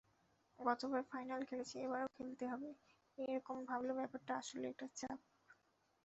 গতবার ফাইনাল খেলেছি, এবারও খেলতে হবে—এ রকম ভাবলে ব্যাপারটা আসলেই একটা চাপ।